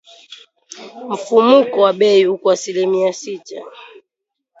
Mfumuko wa bei uko asilimia sita.